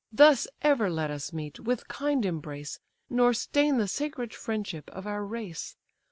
Thus ever let us meet, with kind embrace, Nor stain the sacred friendship of our race.